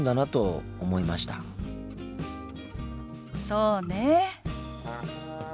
そうねえ。